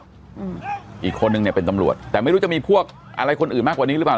อืมอีกคนนึงเนี่ยเป็นตำรวจแต่ไม่รู้จะมีพวกอะไรคนอื่นมากกว่านี้หรือเปล่า